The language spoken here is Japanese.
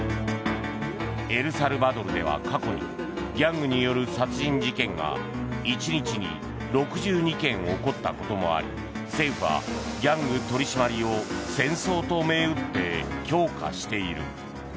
エルサルバドルでは過去にギャングによる殺人事件が１日に６２件起こったこともあり政府はギャング取り締まりを戦争と銘打って強化している。